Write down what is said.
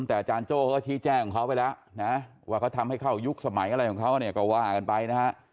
แต่อาจารย์โจ้เขาก็ชี้แจ้งของเขาไปแล้วนะว่าเขาทำให้เข้ายุคสมัยอะไรของเขาเนี่ยก็ว่ากันไปนะฮะ